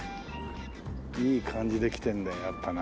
いい感じできてんだよやっぱな。